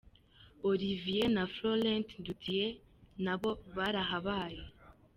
Olivier na Florent Ndutiye na bo barahabaye.